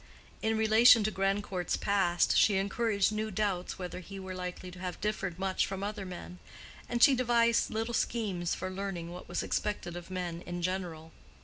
In relation to Grandcourt's past she encouraged new doubts whether he were likely to have differed much from other men; and she devised little schemes for learning what was expected of men in general.